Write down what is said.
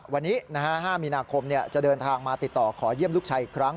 วันนี้๕มีนาคมจะเดินทางมาติดต่อขอเยี่ยมลูกชายอีกครั้ง